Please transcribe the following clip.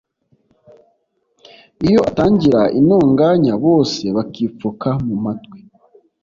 Iyo atangira intonganya, bose bakipfuka mu matwi.